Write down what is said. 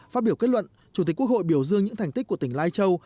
phát biểu kết luận chủ tịch quốc hội biểu dương những thành tích của tỉnh lai châu